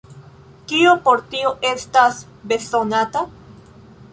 Kio por tio estas bezonata?